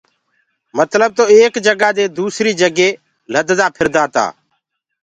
متلب تو ايڪ جگآ دي دوٚسريٚ جگي لددا ڦِردآ تآ۔